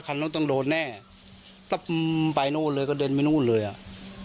คันต้องโดนแน่ไปนู่นเลยก็เดินไปนู่นเลยอ่ะ